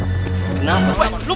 lo pilih yang takut sama lo